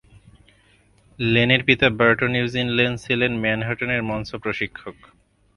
লেনের পিতা Burton Eugene Lane ছিলেন ম্যানহাটনের মঞ্চ প্রশিক্ষক।